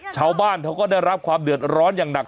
ชาวบ้านเขาก็ได้รับความเดือดร้อนอย่างหนัก